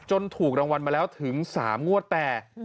ถูกรางวัลมาแล้วถึง๓งวดแต่